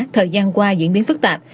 thời gian qua diễn biến phức tạp